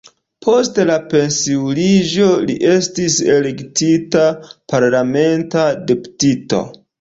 Post la pensiuliĝo li estis elektita parlamenta deputito.